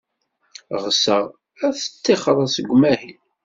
Ɣseɣ ad d-tettixred seg umahil.